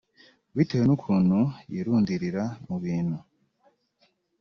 Bitewe n’ukuntu yirundurira mu bintu